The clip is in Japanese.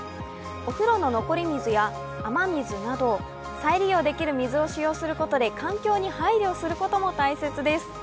お風呂の残り水や雨水など、再利用できる水を使用することで環境に配慮することも大切です。